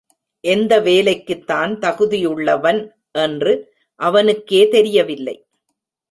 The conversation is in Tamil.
எந்த வேலைக்குத் தான் தகுதியுள்ளவன் என்று அவனுக்கே தெரியவில்லை.